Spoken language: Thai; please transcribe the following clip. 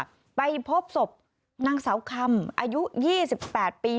ไปพบศพนางสาวคำอายุ๒๘ปี